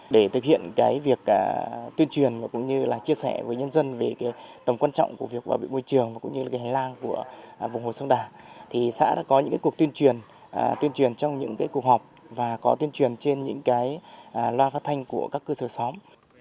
để thực hiện việc tuyên truyền cũng như là chia sẻ với nhân dân về tầm quan trọng của việc bảo vệ môi trường và cũng như là hành lang của vùng hồ sông đà thì xã đã có những cuộc tuyên truyền tuyên truyền trong những cuộc họp và có tuyên truyền trên những cái loa phát thanh của các cơ sở xóm